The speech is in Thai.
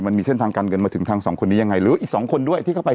มันมีเส้นทางการเงินมาถึงทางสองคนนี้ยังไงหรืออีกสองคนด้วยที่เข้าไป